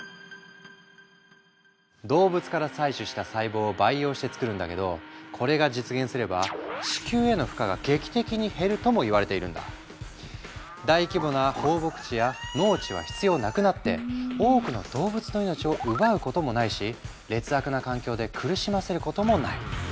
動物から採取した細胞を培養して作るんだけどこれが実現すれば大規模な放牧地や農地は必要なくなって多くの動物の命を奪うこともないし劣悪な環境で苦しませることもない。